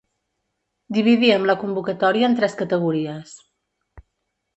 Dividíem la convocatòria en tres categories.